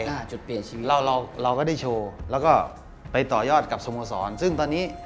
หน้าจุดเปลี่ยนชีวิตเราเราเราก็ได้โชว์แล้วก็ไปต่อยอดกับสโมสรซึ่งตอนนี้